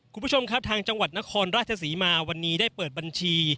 คุณผู้ชมครับทางจังหวัดนครราชศรีมาวันนี้ได้เปิดบัญชี